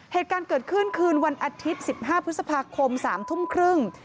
เหตุการณ์เกิดขึ้นคืนวันอาทิตย์๑๕พฤษภาคม๓ทุ่มครึ่ง